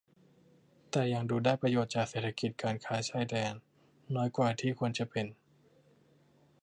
แต่ยังดูได้ประโยชน์จากเศรษฐกิจการค้าชายแดนน้อยกว่าที่ควรจะเป็น